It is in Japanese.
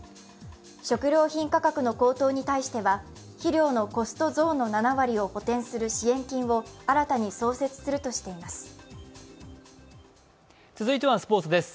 食料品価格の高騰に対しては肥料のコスト増の７割を補填する支援金を新たに創設するとしています。